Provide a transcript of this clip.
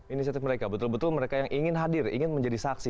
inisiatif mereka betul betul mereka yang ingin hadir ingin menjadi saksi